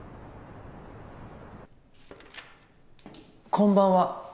・こんばんは。